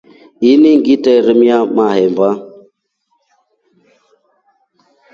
Ini ngitremia mahemba.